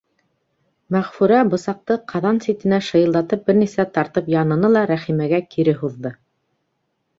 Мәғфүрә бысаҡты ҡаҙан ситенә шыйылдатып бер нисә тартып яныны ла Рәхимәгә кире һуҙҙы: